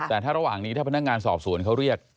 แต่ถ้าระหว่างนี้ถ้าพนักงานสอบสวนเขาเรียก